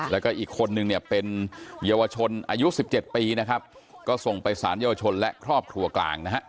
แล้วก็อีกคนนึงเนี่ยเป็นเยาวชนอายุ๑๗ปีนะครับก็ส่งไปสารเยาวชนและครอบครัวกลางนะฮะ